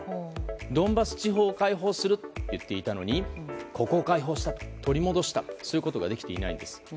ドンバス地方を解放すると言っていたのにここを解放した、取り戻したそういうことができていないんです。